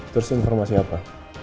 terus informasi apa